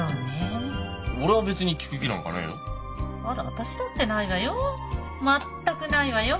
私だってないわよ。